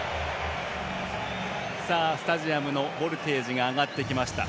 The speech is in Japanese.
スタジアムのボルテージが上がってきました。